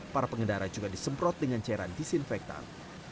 para pengendara juga disemprot dengan cairan disinfektan